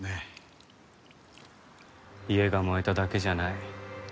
家が燃えただけじゃない。